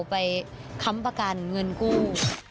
ค้ำประกันเงินกู้